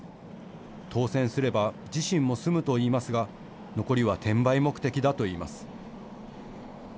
当せんすれば自身も住むといいますが残りは転売目的だといいます。